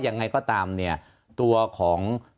ยังไงก็ตามเนี่ยตัวของ